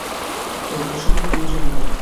হেই, এসবের প্রয়োজন নেই!